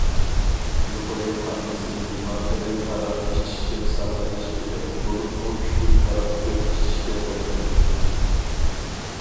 يۇقىرى قان بېسىم بىمارلىرى ھاراق ئىچىشتىن ساقلىنىش كېرەك، بولۇپمۇ كۈچلۈك ھاراق كۆپ ئىچىشكە بولمايدۇ.